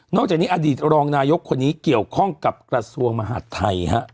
จากนี้อดีตรองนายกคนนี้เกี่ยวข้องกับกระทรวงมหาดไทยฮะ